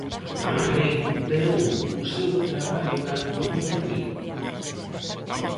Recuperou o seu traballo cando volveu a Vigo?